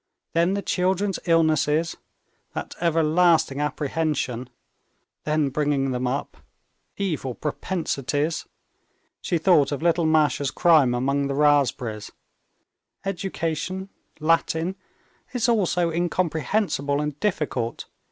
"Then the children's illnesses, that everlasting apprehension; then bringing them up; evil propensities" (she thought of little Masha's crime among the raspberries), "education, Latin—it's all so incomprehensible and difficult.